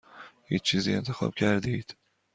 هیچ چیزی انتخاب کردید؟